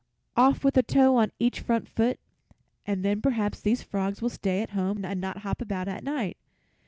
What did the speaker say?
"Off with a toe on each front foot, and then perhaps these frogs will stay at home and not hop about at night.